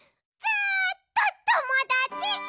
ずっとともだち！